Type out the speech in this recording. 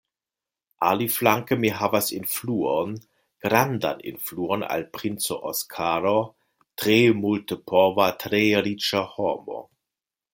Aliflanke mi havas influon, grandan influon al princo Oskaro, tre multepova, tre riĉa homo.